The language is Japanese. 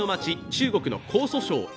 中国の江蘇省。